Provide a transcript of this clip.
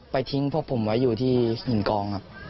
ทิ้งพวกผมไว้อยู่ที่หินกองครับ